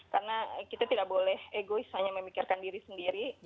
karena kita tidak boleh egois hanya memikirkan diri sendiri